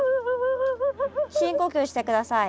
深呼吸して下さい。